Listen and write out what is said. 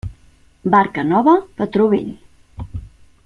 Barca nova, patró vell.